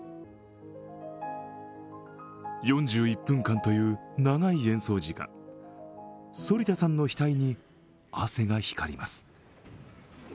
４１分間という長い演奏時間反田さんの額に汗が光ります。